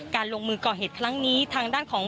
ลงมือก่อเหตุครั้งนี้ทางด้านของ